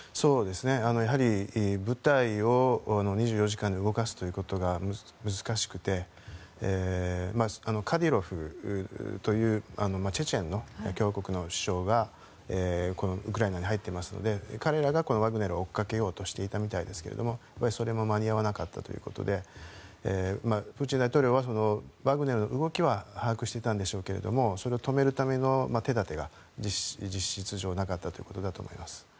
やはり、部隊を２４時間で動かすということが難しくてカディロフというチェチェン共和国の首長がこのウクライナに入っていますので彼らがこのワグネルを追いかけようとしていたみたいですがそれも間に合わなかったということでプーチン大統領はワグネルの動きは把握していたんでしょうけどそれを止めるための手立てが実質上なかったということだと思います。